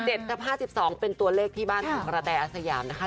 ห้าสิบสองเป็นตัวเลขที่บ้านของกระแตอาสยามนะคะ